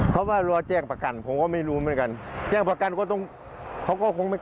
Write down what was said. เขาว่ารัวแจ้งประกันผมก็ไม่รู้มากัน